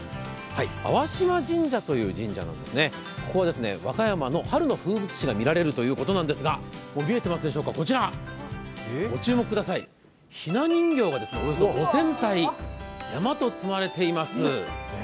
淡嶋神社という神社で、こちら和歌山の春の風物詩が見られるということなんですがこちら、ご注目ください、ひな人形がおよそ５０００体、山と積まれていますよね。